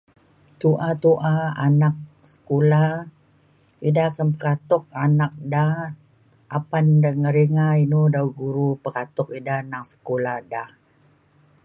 Tu'a - tu'a anak sekula ida kam katuk anak da apan da ngerina dau dau guru pekatuk ida anak sekula da